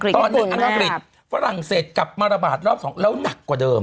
ตอนนี้อังกฤษฝรั่งเศสกลับมาระบาดรอบ๒แล้วหนักกว่าเดิม